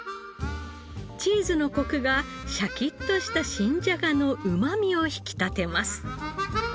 チーズのコクがシャキッとした新じゃがのうまみを引き立てます。